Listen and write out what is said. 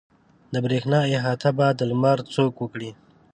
د برېښنا احاطه به د لمر څوک وکړي.